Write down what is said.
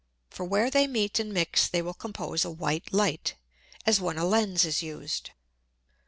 For where they meet and mix, they will compose a white Light, as when a Lens is used.